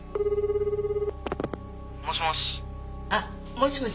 もしもし。